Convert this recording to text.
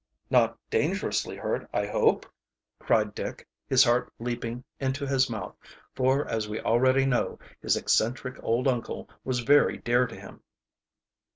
"Not dangerously hurt, I hope," cried Dick, his heart leaping into his mouth, for as we already know, his eccentric old uncle was very dear to him.